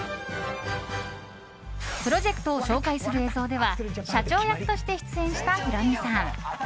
プロジェクトを紹介する映像では社長役として出演したヒロミさん。